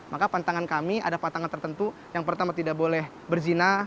maka pantangan kami ada pantangan tertentu yang pertama tidak boleh berzina